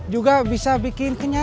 juga bisa bikin kenyang